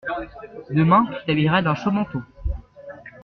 Demain tu t’habilleras d’un chaud manteau.